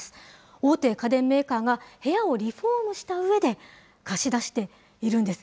大手家電メーカーが部屋をリフォームしたうえで、貸し出しているんです。